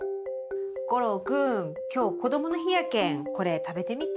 五郎君今日こどもの日やけんこれ食べてみて。